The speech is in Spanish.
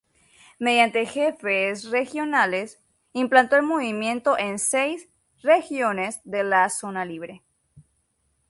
Mediante jefes regionales, implantó el movimiento en seis "regiones" de la zona libre.